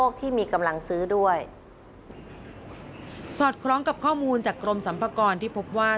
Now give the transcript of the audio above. สอดคล้องกับข้อมูลจากกรมสรรพากรที่พบว่า